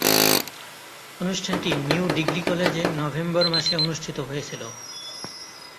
অনুষ্ঠানটি new degree কলেজে November মাসে অনুষ্ঠিত হয়েছিলো।